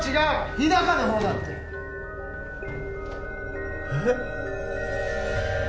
日高のほうだってええっ？